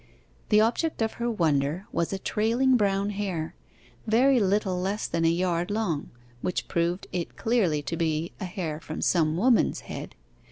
The object of her wonder was a trailing brown hair, very little less than a yard long, which proved it clearly to be a hair from some woman's head.